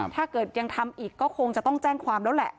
ถ้าเกิดยังทำอีกก็คงจะต้องแจ้งความแล้วแหละ